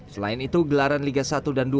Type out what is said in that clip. selain itu gelaran liga satu dan dua